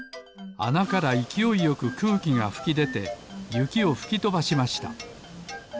あなからいきおいよくくうきがふきでてゆきをふきとばしました。